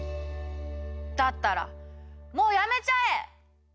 だったらもうやめちゃえ！